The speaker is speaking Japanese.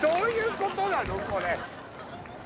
これ。